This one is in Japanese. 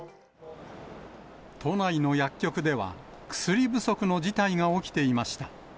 都内の薬局では、薬不足の事態が起きていました。